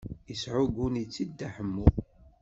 Yesɛuggen-itt-id Dda Ḥemmu.